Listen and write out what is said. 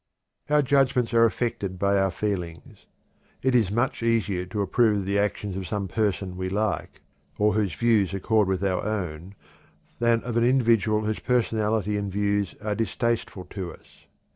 Our judgments are affected by our feelings. It is much easier to approve of the actions of some person we like, or whose views accord with our own, than of an individual whose personality and views are distasteful to us.